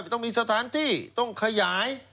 ต้องมีสถานที่ต้องขยาย